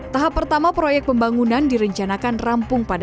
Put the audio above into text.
tahap pertama proyek pembangunan direncanakan rampung pada dua ribu lima belas